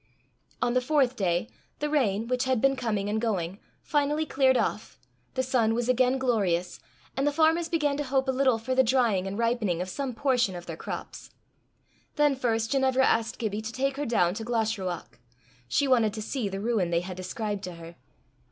On the fourth day, the rain, which had been coming and going, finally cleared off, the sun was again glorious, and the farmers began to hope a little for the drying and ripening of some portion of their crops. Then first Ginevra asked Gibbie to take her down to Glashruach; she wanted to see the ruin they had described to her.